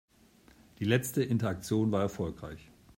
Die letzte Interaktion war erfolgreich.